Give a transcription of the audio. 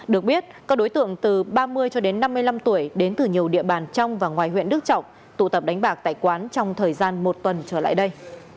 được biết các đối tượng từ ba mươi cho đến năm mươi năm tuổi đến từ nhiều địa bàn trong và ngoài huyện đức trọng tụ tập đánh bạc tại quán trong thời gian một tuần trở lại đây